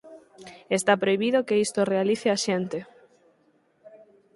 Está prohibido que isto o realice a xente.